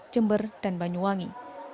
jember dan banyuwangi